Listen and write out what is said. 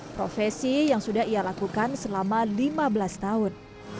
profesi yang sudah ia lakukan selama lima belas tahun